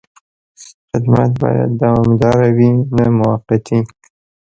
خدمت باید دوامداره وي، نه موقتي.